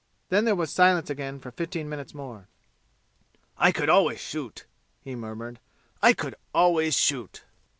Then there was silence again for fifteen minutes more. "I could always shoot," he murmured; "I could always shoot."